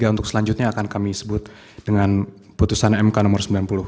untuk selanjutnya akan kami sebut dengan putusan mk nomor sembilan puluh